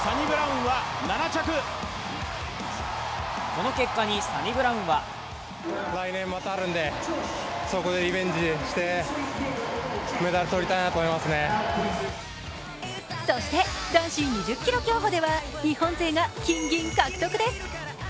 この結果にサニブラウンはそして男子２０ｋｍ競歩では日本勢が金・銀獲得です。